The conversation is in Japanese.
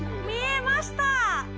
見えました！